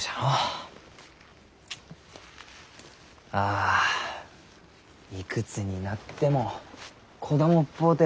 あいくつになっても子供っぽうて。